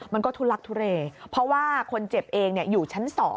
มันก็ทุลักทุเลเพราะว่าคนเจ็บเองอยู่ชั้น๒